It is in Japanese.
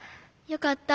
よかった。